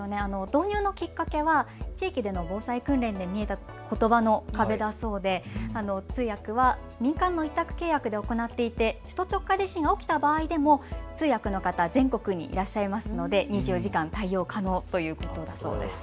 導入のきっかけは地域での防災訓練で見えたことばの壁だそうで通訳は民間の委託契約で行っていて直下地震が起きた場合でも通訳の方、全国にいらっしゃるので２４時間対応可能ということだそうです。